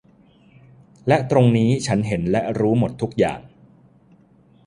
และตรงนี้ฉันเห็นและรู้หมดทุกอย่าง